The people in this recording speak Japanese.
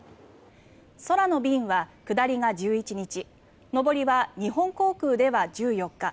空の便は下りが１１日上りは日本航空では１４日